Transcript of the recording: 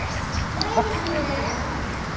どれにする？